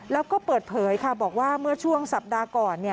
แล้วก็เปิดเผยค่ะบอกว่าเมื่อช่วงสัปดาห์ก่อน